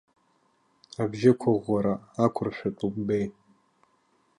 Абжьықәыӷәӷәара ақәыршәатәуп беи!